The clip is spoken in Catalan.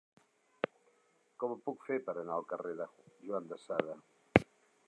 Com ho puc fer per anar al carrer de Juan de Sada?